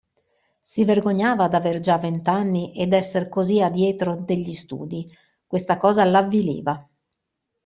Si vergognava d'aver già vent'anni, e d'essere così a dietro degli studi: questa cosa l'avviliva.